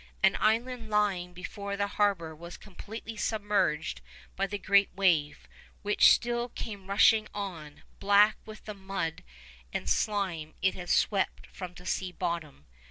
An island lying before the harbour was completely submerged by the great wave, which still came rushing on, black with the mud and slime it had swept from the sea bottom.